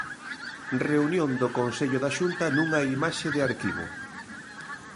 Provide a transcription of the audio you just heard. Reunión do Consello da Xunta, nunha imaxe de arquivo.